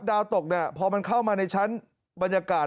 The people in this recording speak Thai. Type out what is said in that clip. ดาวตกพอเข้ามาในชั้นบรรยากาศ